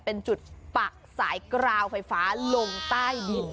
เป็นจุดปักสายกราวไฟฟ้าลงใต้ดิน